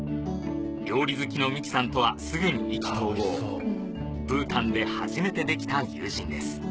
料理好きの美紀さんとはすぐに意気投合ブータンで初めてできた友人ですあ！